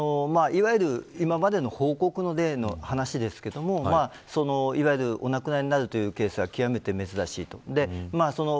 今までの報告の例の話ですがお亡くなりになるケースは極めて珍しいです。